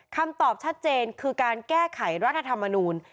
คำตอบชัดเจนคือการแก้ไขรัฐธรรมนูล